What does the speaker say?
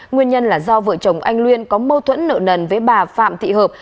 nguyên nhân là do vợ chồng anh luân có mâu thuẫn nợ nần với bà phạm thị hợp